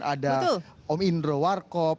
ada om indro warkop